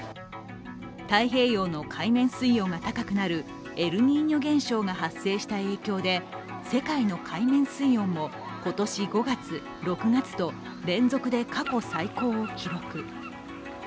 太平洋の海面水温が高くなるエルニーニョ現象が発生した影響で世界の海面水温も今年５月、６月と連続で過去最高を記録。